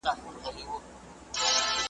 چي ګوربت د غره له څوکي په هوا سو .